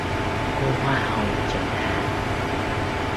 Cô hoa hồng chẳng hạn